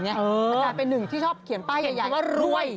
มันกลายเป็นหนึ่งที่ชอบเขียนป้ายใหญ่ว่ารวย